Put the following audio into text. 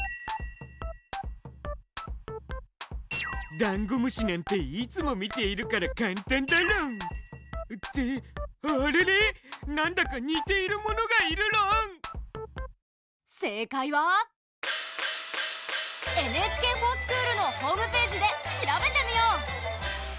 ダンゴムシなんていつも見ているから簡単だろん！ってあれれなんだか似ているものがいるろん⁉正解は「ＮＨＫｆｏｒＳｃｈｏｏｌ」のホームページで調べてみよう！